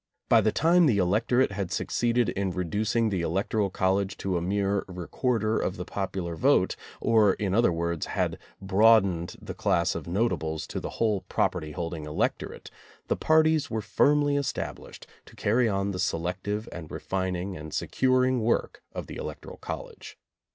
By the time the electorate had succeeded in reducing the electoral college to a mere recorder of the popular vote, or in other words, had broadened the class of notables to the whole property holding electorate, the parties were firmly established to carry on the selective and re fining and securing work of the electoral college.